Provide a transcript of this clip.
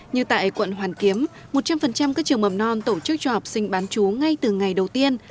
như tại quận hoàn kiếm một trăm linh các trường mầm non tổ chức cho học sinh bán chú ngay từ ngày đầu tiên